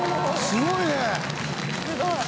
すごいね！」